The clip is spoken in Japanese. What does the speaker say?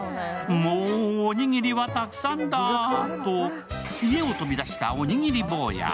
もう、おにぎりはたくさんだーと、家を飛び出したおにぎりぼうや。